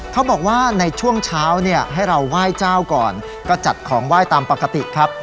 เขาบอกว่าในช่วงเช้าเนี่ยให้เราไหว้เจ้าก่อนก็จัดของไหว้ตามปกติครับ